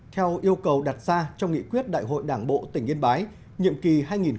theo yêu cầu đặt ra trong nghị quyết đại hội đảng bộ tỉnh yên bái nhiệm kỳ hai nghìn một mươi năm hai nghìn hai mươi